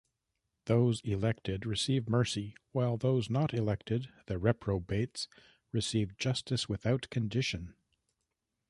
Those elected receive mercy, while those not elected, the reprobates, receive justice without condition.